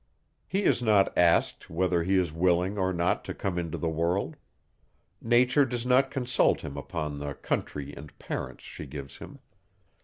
He is not asked whether he is willing, or not, to come into the world. Nature does not consult him upon the country and parents she gives him.